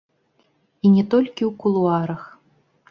І не толькі ў кулуарах.